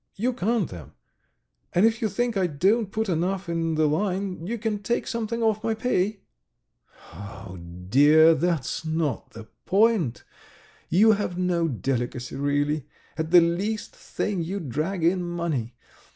. You count them. And if you think I don't put enough in the line, you can take something off my pay." "Oh dear, that's not the point. You have no delicacy, really. ... At the least thing you drag in money.